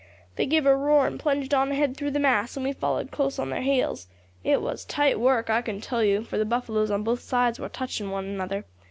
They gave a roar and plunged on ahead through the mass, and we followed close to their heels. It was tight work, I can tell you, for the buffaloes on both sides war touching one another.